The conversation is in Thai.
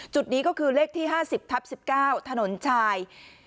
จุดนี้ก็คือเลขที่ห้าสิบทับสิบเก้าถนนชาย